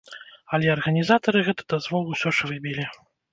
Але арганізатары гэты дазвол усё ж выбілі.